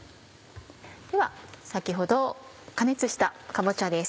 では先ほど加熱したかぼちゃです。